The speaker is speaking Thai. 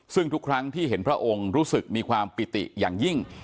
ซึ่งทุกครั้งที่เห็นพระองค์รู้สึกมีความปิติอย่างยิ่ง